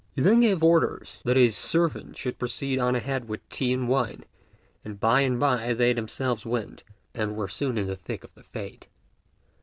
He then gave orders that a servant should proceed on ahead with tea and wine, and by and by they themselves went, and were soon in the thick of the fête.